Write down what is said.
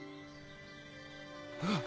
あっ！